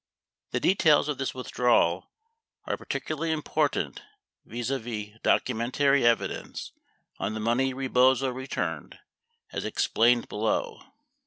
The details of this withdrawal are particularly important vis a vis documentary evidence on the money Rebozo returned, as explained below.